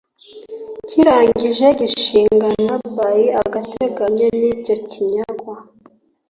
kirangije gishingana by agateganyo nicyo cy inyagwa